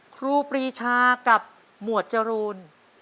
ครูปรีชากับหมวดจรูน